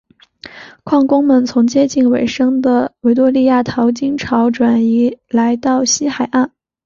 矿工们从接近尾声的维多利亚淘金潮转移来到西海岸。